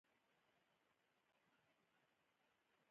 دا وده په خپل وخت کې انقلاب ګڼل کېده.